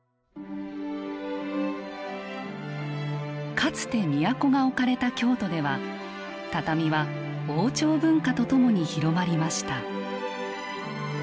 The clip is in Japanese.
かつて都が置かれた京都では畳は王朝文化とともに広まりました。